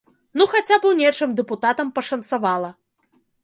Ну хаця б у нечым дэпутатам пашанцавала!